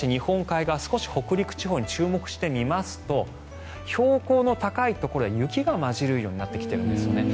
日本海側北陸地方に注目してみますと標高の高いところでは雪が交じるようになってきているんです。